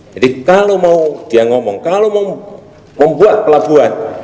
jadi kalau mau dia ngomong kalau mau membuat pelabuhan